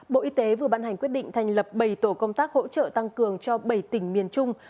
bộ y tế vừa ban hành quyết định thành lập bảy tổ công tác hỗ trợ tăng cường cho bảy tỉnh miền trung